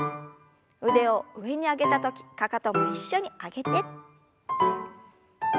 腕を上に上げた時かかとも一緒に上げて。